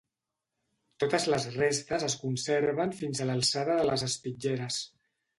Totes les restes es conserven fins a l'alçada de les espitlleres.